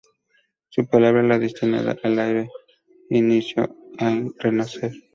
Su palabra es la destinada al re inicio, al re nacer.